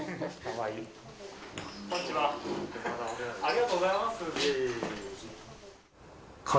ありがとうございます。